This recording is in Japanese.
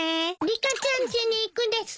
リカちゃんちに行くです。